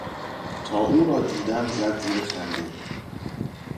تا او را دیدم زد زیر خنده.